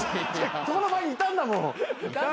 そこの前にいたんだもん。